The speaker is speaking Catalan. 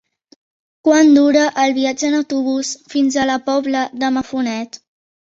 Quant dura el viatge en autobús fins a la Pobla de Mafumet?